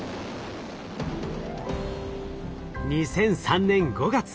２００３年５月